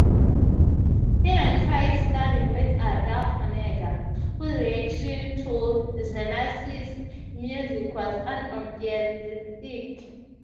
He then tried studying with Arthur Honegger, whose reaction to Xenakis's music was unenthusiastic.